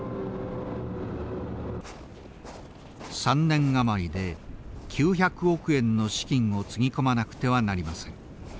３年余りで９００億円の資金をつぎ込まなくてはなりません。